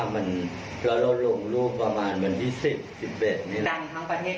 มีแต่ความทรงผล